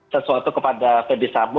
sesuatu kepada fede sambo